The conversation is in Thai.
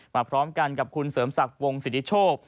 พร้อมกันกับคุณเสริมศักดิ์วงสิทธิโชค